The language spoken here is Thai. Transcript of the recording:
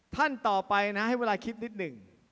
ท่านต่อไปนะให้เวลาคิดนิดหนึ่ง